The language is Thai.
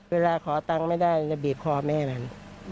เวลาขอตังค์ไม่ได้มันจะบีบคอแม่มัน